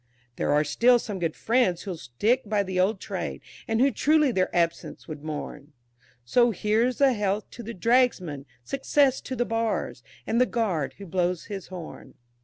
There are still some good friends who'll stick by the old trade, And who truly their absence would mourn, "So here's a health to the Dragsman, success to the bars, And the Guard who blows his horn."